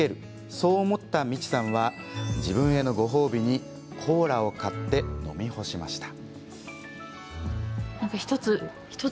そう思ったみちさんは自分へのご褒美にコーラを買って飲み干しました。